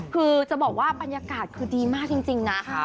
คือจะบอกว่าบรรยากาศคือดีมากจริงนะ